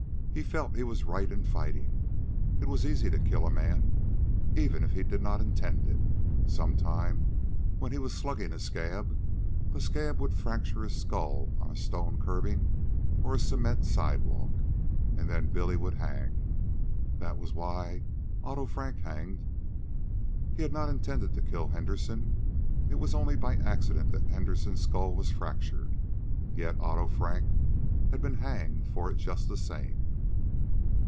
He felt he was right in fighting. It was easy to kill a man. Even if he did not intend it, some time, when he was slugging a scab, the scab would fracture his skull on a stone curbing or a cement sidewalk. And then Billy would hang. That was why Otto Frank hanged. He had not intended to kill Henderson. It was only by accident that Henderson's skull was fractured. Yet Otto Frank had been hanged for it just the same.